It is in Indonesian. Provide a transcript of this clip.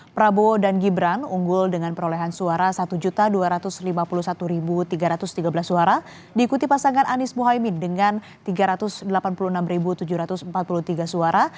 prabowo dan gibran unggul dengan perolehan suara satu dua ratus lima puluh satu tiga ratus tiga belas suara diikuti pasangan anies muhaymin dengan tiga ratus delapan puluh enam tujuh ratus empat puluh tiga suara